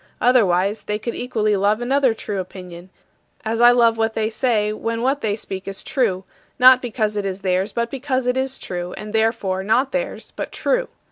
Otherwise they could equally love another true opinion, as I love what they say when what they speak is true not because it is theirs but because it is true, and therefore not theirs but true.